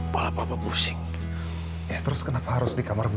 malah papa pusing